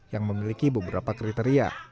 yang memiliki beberapa kriteria